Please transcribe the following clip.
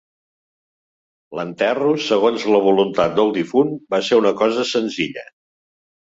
L'enterro, segons la voluntat del difunt, va ser una cosa senzilla